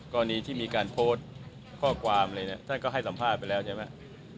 ก่อนนี้ที่มีการโพสข้อความท่านก็ให้สัมภาษณ์ไปแล้วใช่ไหม